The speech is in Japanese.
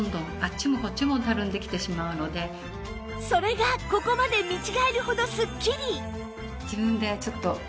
それがここまで見違えるほどすっきり！